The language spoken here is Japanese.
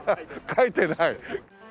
書いてない。